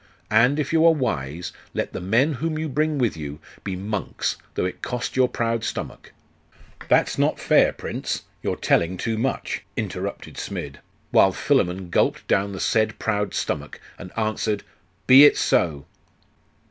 And if you are wise, let the men whom you bring with you be monks, though it cost your proud stomach ' 'That's not fair, prince! You are telling too much!' interrupted Smid, while Philammon gulped down the said proud stomach, and answered, 'Be it so!